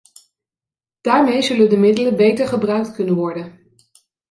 Daarmee zullen de middelen beter gebruikt kunnen worden.